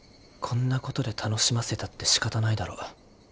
こんなことで楽しませたってしかたないだろ。